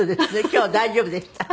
今日大丈夫でした。